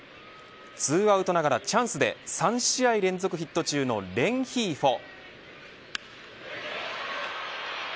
２アウトながらチャンスで３試合連続ヒット中のレンヒーフォ。